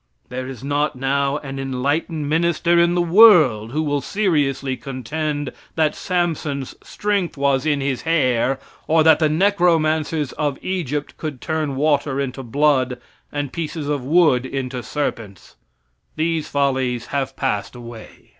There is not now an enlightened minister in the world who will seriously contend that Samson's strength was in his hair, or that the necromancers of Egypt could turn water into blood, and pieces of wood into serpents. These follies have passed away.